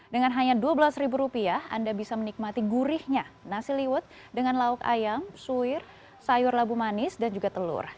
dengan hanya dua belas rupiah anda bisa menikmati gurihnya nasi liwet dengan lauk ayam suwir sayur labu manis dan juga telur